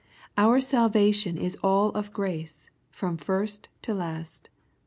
Our salvation is all of grace, from first to last.